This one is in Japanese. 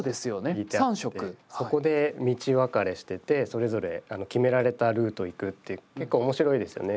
引いてあってそこで道分かれしててそれぞれ決められたルート行くって結構面白いですよね